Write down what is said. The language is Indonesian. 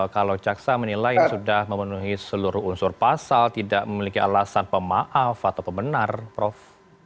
kalau caksa menilai sudah memenuhi seluruh unsur pasal tidak memiliki alasan pemaaf atau pembenar prof